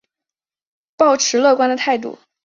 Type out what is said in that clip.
抱持乐观的态度